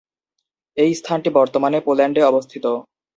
এই স্থানটি বর্তমানে পোল্যান্ডে অবস্থিত।